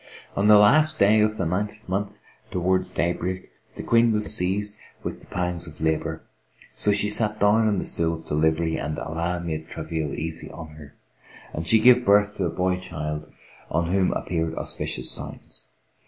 On the last day of the ninth month, towards day break, the Queen was seized with the pangs of labour; so she sat down on the stool of delivery and Allah made the travail easy to her and she gave birth to a boy child, on whom appeared auspicious signs.